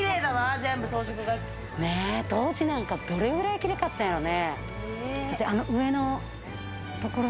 当時なんかどれくらいキレイかったんやろうね。